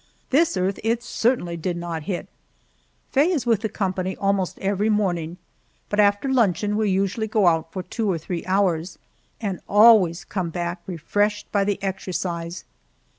This earth it certainly did not hit! Faye is with the company almost every morning, but after luncheon we usually go out for two or three hours, and always come back refreshed by the exercise.